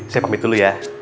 saya pamit dulu ya